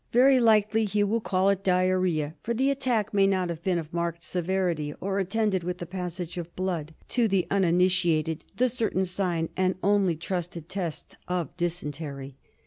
Very likely he will call it diarrhoea, for the attack may not have been of marked severity, or attended with the passage of blood — to the uninitiated the certain sign and only trusted test of dysentery.